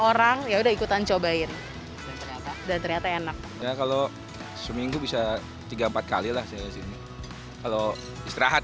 orang ya udah ikutan cobain dan ternyata enak kalau seminggu bisa tiga puluh empat kali lah kalau istirahat